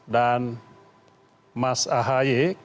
dan mas ahaye ketua umum kami adalah secara ex officio menjadi wakil ketua